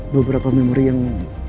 beberapa memori yang